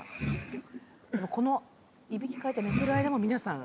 このいびきをかいて寝ている間も皆さん